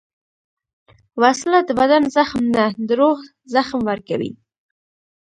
وسله د بدن زخم نه، د روح زخم ورکوي